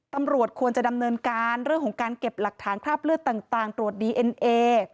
ตำรวจควรจะดำเนินการเรื่องของการเก็บหลักฐานคราบเลือดต่างตรวจดีเอ็นเอ